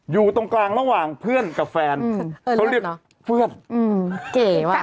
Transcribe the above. อยู่ตรงกลางระหว่างเพื่อนกับแฟนเขาเรียกนะเพื่อนอืมเก๋ว่ะ